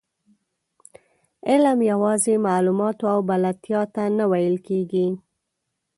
علم یوازې معلوماتو او بلدتیا ته نه ویل کېږي.